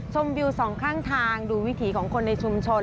วิวสองข้างทางดูวิถีของคนในชุมชน